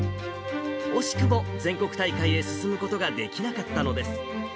惜しくも全国大会へ進むことができなかったのです。